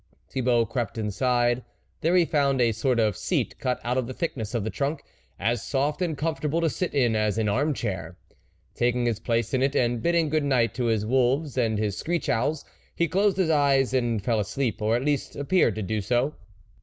Thibault crept inside ; there he found a sort of seat cut out of the thick ness of the trunk, as soft and comfortable to sit in as an arm chair. Taking his place in it, and bidding good night to his wolves and his screech owls, he closed his eyes and fell asleep, or at least appeared to do so.